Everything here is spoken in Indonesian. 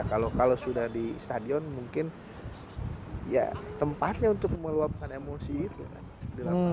kalau sudah di stadion mungkin tempatnya untuk meluapkan emosi itu